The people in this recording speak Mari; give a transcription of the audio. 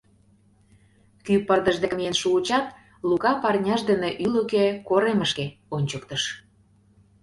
Кӱ пырдыж деке миен шуычат, Лука парняж дене ӱлыкӧ, коремышке, ончыктыш.